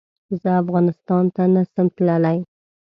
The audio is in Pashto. زه افغانستان ته نه سم تلی